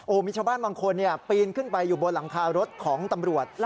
โอมิชบ้านบางคนเนี่ยอ่ะปีนขึ้นไปอยู่บนหลังคารถของตำรวจ